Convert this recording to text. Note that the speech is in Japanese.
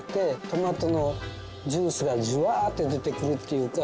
トマトのジュースがジュワッて出てくるっていうか。